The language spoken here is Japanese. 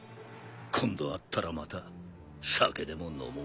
今度会ったらまた酒でも飲もう。